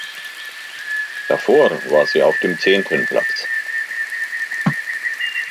Davor war sie auf dem zehnten Platz.